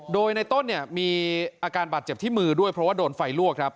โดยในต้นเนี่ยมีอาการบาดเจ็บที่มือด้วยเพราะว่าโดนไฟลวกครับ